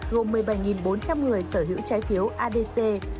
gồm một mươi bảy bốn trăm linh người sở hữu trái phiếu adc hai nghìn một mươi tám chín